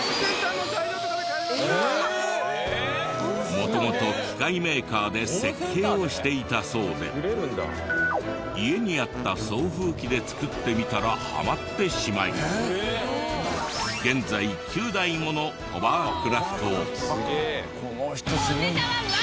元々機械メーカーで設計をしていたそうで家にあった送風機で作ってみたらハマってしまい現在９台ものホバークラフトを。